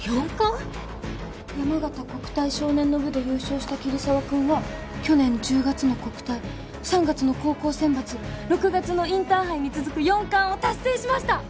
「山形国体少年の部で優勝した桐沢くんは去年１０月の国体３月の高校選抜６月のインターハイに続く四冠を達成しました」